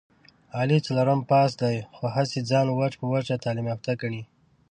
علي څلورم پاس دی، خو هسې ځان وچ په وچه تعلیم یافته ګڼي...